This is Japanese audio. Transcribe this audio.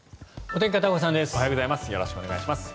おはようございます。